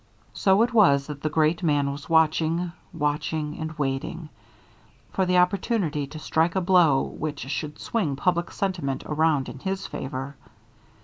So it was that the great man was watching, watching and waiting, for the opportunity to strike a blow which should swing public sentiment around in his favor.